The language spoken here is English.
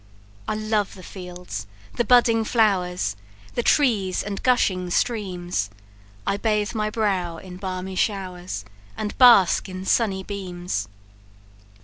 I love the fields, the budding flowers, The trees and gushing streams; I bathe my brow in balmy showers, And bask in sunny beams.